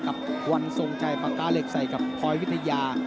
กับวันทรงชัยปากกาเหล็กใส่กับพลอยวิทยา